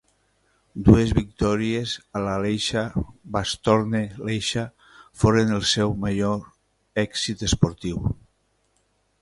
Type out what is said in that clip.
Dues victòries a la Lieja-Bastogne-Lieja foren el seu major èxit esportiu.